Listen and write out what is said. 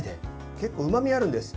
結構、うまみがあるんです。